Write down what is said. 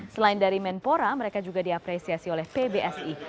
selain dari menpora mereka juga diapresiasi oleh pbsi